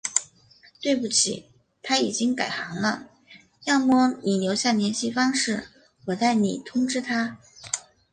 对不起，他已经改行了，要么你留下联系方式，我代你通知他。